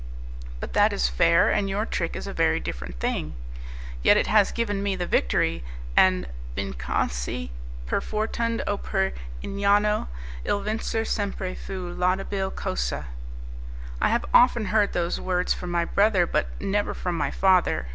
"But that is fair, and your trick is a very different thing." "Yet it has given me the victory, and "Vincasi per fortund o per ingano, Il vincer sempre fu laudabil cosa"... "I have often heard those words from my brother, but never from my father.